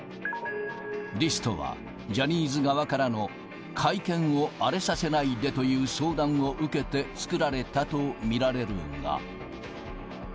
リストはジャニーズ側からの会見を荒れさせないでという相談を受けて作られたと見られるが。